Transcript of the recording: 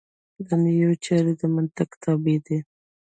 دنیوي چارې د منطق تابع دي.